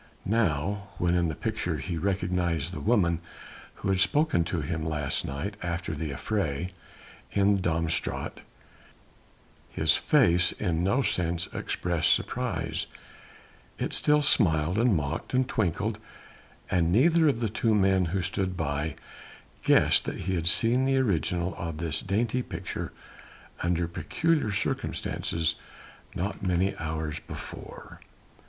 Now, when in the picture he recognized the woman who had spoken to him last night after the affray, in the Dam Straat, his face in no sense expressed surprise, it still smiled and mocked and twinkled, and neither of the two men who stood by guessed that he had seen the original of this dainty picture under peculiar circumstances not many hours before.